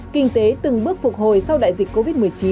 kinh tế từng bước phục hồi sau đại dịch covid một mươi chín